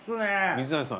水谷さん